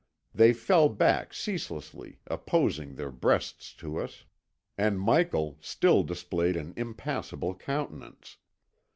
They fell back ceaselessly opposing their breasts to us, and Michael still displayed an impassible countenance.